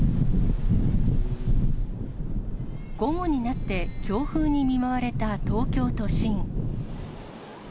午後になって、強風に見舞われた東京都心。